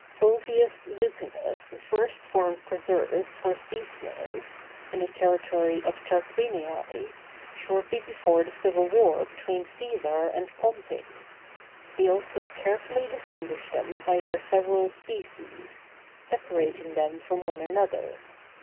Fulvius Lupinus first formed preserves for sea snails, in the territory of Tarquinii, shortly before the civil war between Cæsar and Pompey. He also carefully distinguished them by their several species, separating them from one another.